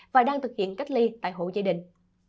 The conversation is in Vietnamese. và đang thực hiện cách ly tại hộ gia đình